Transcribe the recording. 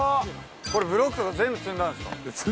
これ、ブロック全部積んだんですか？